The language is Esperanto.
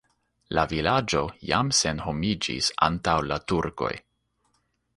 La vilaĝo jam senhomiĝis antaŭ la turkoj.